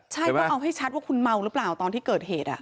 ใช่ต้องเอาให้ชัดว่าคุณเมาหรือเปล่าตอนที่เกิดเหตุ